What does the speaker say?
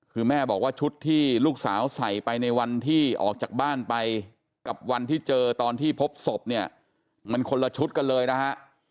คือแม่บอกว่าชุดที่ลูกสาวใส่ไปในวันที่ออกจากบ้านไปกับวันที่เจอตอนที่พบศพเนี่ยมันคนละชุดกันเลยนะฮะ